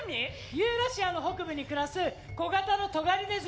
ユーラシアの北部に暮らす小型のトガリネリズミさ。